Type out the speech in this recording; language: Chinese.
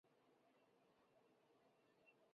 任直隶高淳县知县。